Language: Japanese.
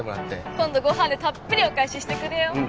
今度ご飯でたっぷりお返ししてくれよん。